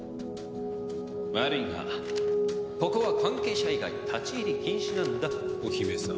悪いがここは関係者以外立ち入り禁止なんだお姫様。